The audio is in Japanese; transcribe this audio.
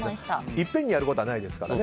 いっぺんにやることはないですからね。